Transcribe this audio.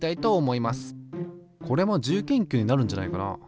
これも自由研究になるんじゃないかな？